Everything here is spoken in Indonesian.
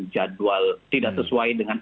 jadwal tidak sesuai dengan